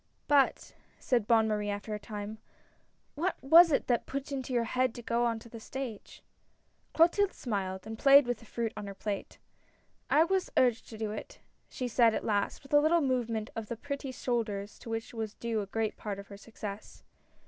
" But," said Bonne Marie, after a time, " what was it that put it into your head to go on the stage ?" Clotilde smiled, and played with the fruit on her plate. " I was urged to do it," she said at last, with a little movement of the pretty shoulders to which was due a great part of her success.